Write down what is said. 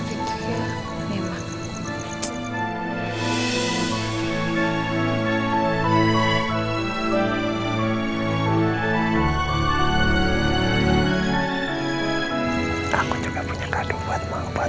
aku juga punya kadu buat mama